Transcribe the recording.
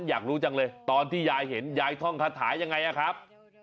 อยากรู้จังเลยตอนที่ยายเห็นยายท่องคาถายังไงอะครับ